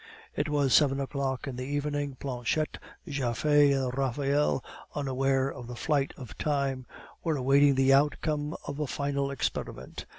It was seven o'clock in the evening. Planchette, Japhet, and Raphael, unaware of the flight of time, were awaiting the outcome of a final experiment.